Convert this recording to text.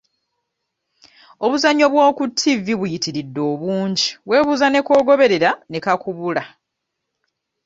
Obuzannyo bw'oku ttivi buyitiridde obungi weebuuza ne k'ogoberera ne kakubula.